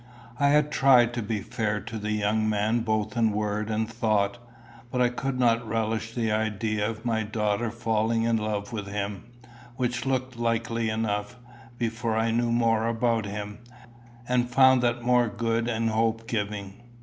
I had tried to be fair to the young man both in word and thought, but I could not relish the idea of my daughter falling in love with him, which looked likely enough, before I knew more about him, and found that more good and hope giving.